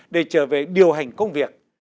để trở về điều hành công việc